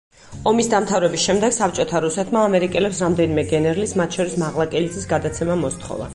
ომის დამთავრების შემდეგ საბჭოთა რუსეთმა ამერიკელებს რამდენიმე გენერლის, მათ შორის მაღლაკელიძის, გადაცემა მოსთხოვა.